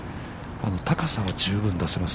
◆高さは十分出せます。